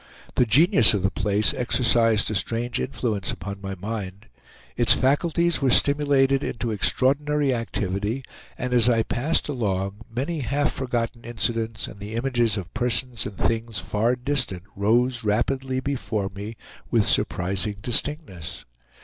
The genius of the place exercised a strange influence upon my mind. Its faculties were stimulated into extraordinary activity, and as I passed along many half forgotten incidents, and the images of persons and things far distant, rose rapidly before me with surprising distinctness.